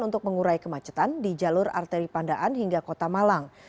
untuk mengurai kemacetan di jalur arteri pandaan hingga kota malang